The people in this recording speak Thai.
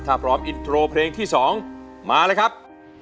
ถ้าพร้อมอินโทรเพลงที่๒มาเลยครับ